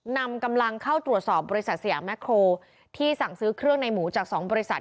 นำกำลังเข้าตรวจสอบบริษัทสยามแครที่สั่งซื้อเครื่องในหมูจาก๒บริษัท